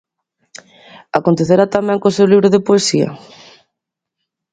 Acontecerá tamén co seu libro de poesía?